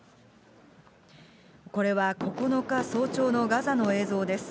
これは９日早朝のガザの映像です。